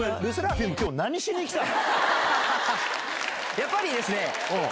やっぱりですね